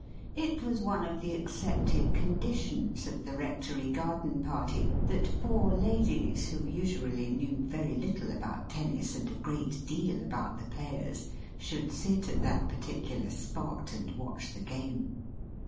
It was one of the accepted conditions of the Rectory garden party that four ladies, who usually knew very little about tennis and a great deal about the players, should sit at that particular spot and watch the game.